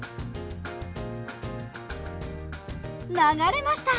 流れました！